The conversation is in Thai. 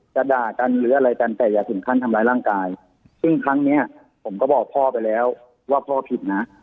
ด่ากันหรืออะไรกันแต่อย่าถึงขั้นทำร้ายร่างกายซึ่งครั้งเนี้ยผมก็บอกพ่อไปแล้วว่าพ่อผิดนะ